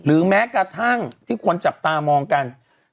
แม้กระทั่งที่คนจับตามองกัน